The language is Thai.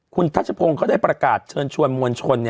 คุณทัชพงศ์เขาได้ประกาศเชิญชวนมวลชน